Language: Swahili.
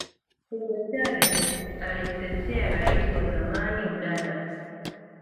hugo chavez alimtetea rais wa zamani udanda